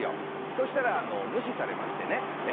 そしたら無視されましてね。